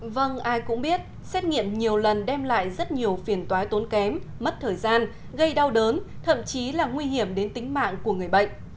vâng ai cũng biết xét nghiệm nhiều lần đem lại rất nhiều phiền toái tốn kém mất thời gian gây đau đớn thậm chí là nguy hiểm đến tính mạng của người bệnh